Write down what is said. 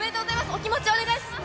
お気持ち、お願いします。